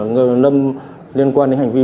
người lâm liên quan đến hành vi